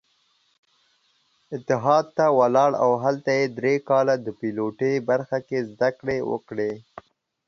اتحاد ته ولاړ او هلته يې درې کاله د پيلوټۍ برخه کې زدکړې وکړې.